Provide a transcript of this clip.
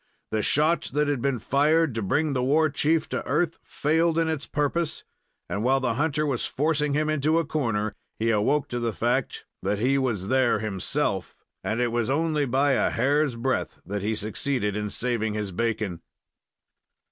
The shot that had been fired to bring the war chief to earth failed in its purpose, and while the hunter was forcing him into a corner he awoke to the fact that he was there himself, and it was only by a hair's breadth that he succeeded in saving his bacon.